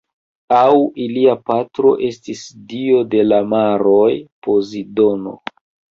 Aŭ ilia patro estis dio de la maroj Pozidono.